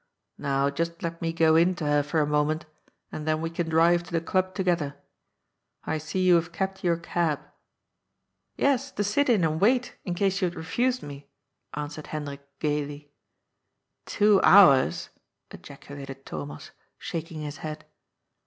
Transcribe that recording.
*' Now just let me go in to her for a moment, and then we can drive to the Club to gether. I see you have kept your cab." ^' Yes, to sit in and wait, in case she had refused me," answered Hendrik gaily. '^ Two hours I " ejaculated Thomas, shaking his head.